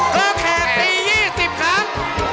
ก็แขกตี๒๐ครั้ง